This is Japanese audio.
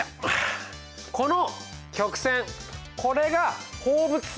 この曲線これが放物線。